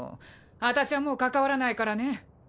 私ゃもう関わらないからね。